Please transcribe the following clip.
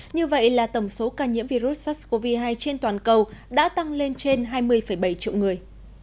như vậy là tổng số ca nhiễm virus sars cov hai trên toàn cầu đã tăng lên trên hai mươi bảy triệu người